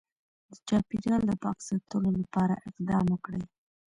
د چاپیریال د پاک ساتلو لپاره اقدام وکړي